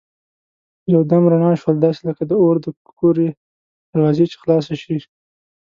یو دم رڼا شول داسې لکه د اور د کورې دروازه چي خلاصه شي.